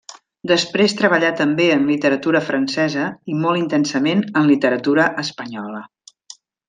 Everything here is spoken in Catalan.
Després treballà també en literatura francesa i molt intensament en literatura espanyola.